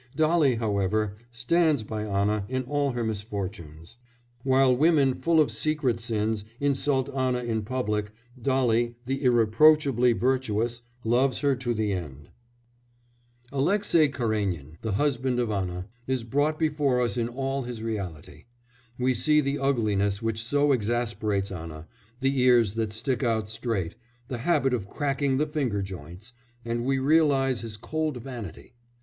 Dolly, however, stands by Anna in all her misfortunes; while women full of secret sins insult Anna in public, Dolly, the irreproachably virtuous, loves her to the end. Aleksei Karénin the husband of Anna is brought before us in all his reality. We see the ugliness which so exasperates Anna the ears that stick out straight, the habit of cracking the finger joints and we realise his cold vanity.